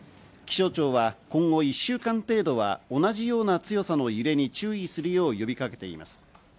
気象庁は今後１週間程度は同じような強さの揺れに注意するよう呼びかけています。